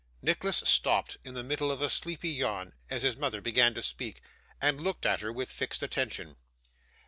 Nicholas stopped in the middle of a sleepy yawn, as his mother began to speak: and looked at her with fixed attention.